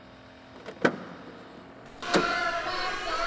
なあおばあちゃん